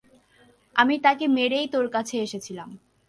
আমি তাকে মেরেই তোর কাছে এসেছিলাম।